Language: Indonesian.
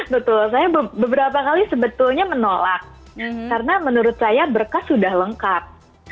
betul saya beberapa kali sebetulnya menolak karena menurut saya berkas sudah lengkap